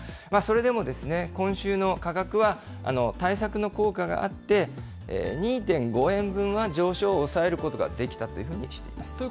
それでも今週の価格は対策の効果があって、２．５円分は上昇を抑えることができたというふうにしています。